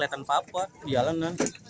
lihatan papua dialanan